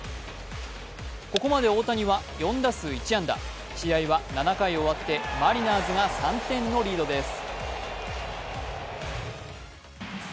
ここまで大谷は４打数１安打、試合は７回終わってマリナーズが３点のリードです。